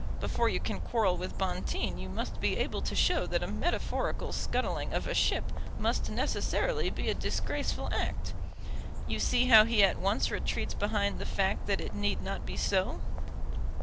Before you can quarrel with Bonteen you must be able to show that a metaphorical scuttling of a ship must necessarily be a disgraceful act. You see how he at once retreats behind the fact that it need not be so."